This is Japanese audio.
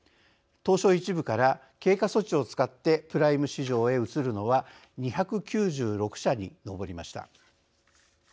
東証１部から経過措置を使ってプライム市場へ移るのは２９６社に上りました。